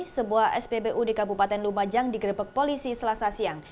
sebuah spbu di kabupaten lumajang digerebek polisi selasa siang